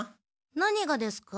何がですか？